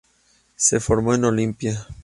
Se formó en Olimpia.